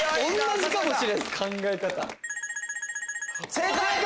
正解！